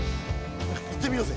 行ってみようぜ。